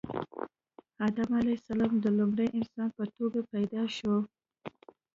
آدم علیه السلام د لومړي انسان په توګه پیدا شو